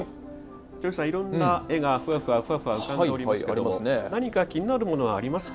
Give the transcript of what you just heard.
ＪＯＹさんいろんな絵がふわふわふわふわ浮かんでおりますけども何か気になるものはありますか？